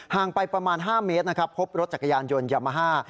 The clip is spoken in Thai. งไปประมาณ๕เมตรนะครับพบรถจักรยานยนต์ยามาฮ่า